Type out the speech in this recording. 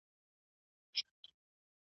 د مسولیت قانون ستاسو ژوند ته نظم ورکوي.